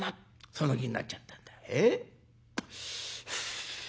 その気になっちゃったんだ」。